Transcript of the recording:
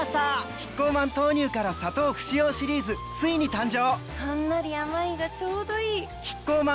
キッコーマン豆乳から砂糖不使用シリーズついに誕生！